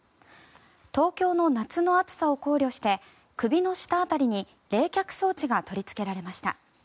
東京の夏の暑さを考慮して首の下辺りに冷却装置が取りつけられました。